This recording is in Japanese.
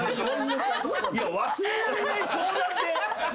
いや忘れられない相談って。